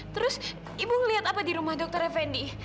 terus ibu ngeliat apa di rumah dokter effendi